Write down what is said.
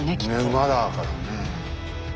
馬だからね。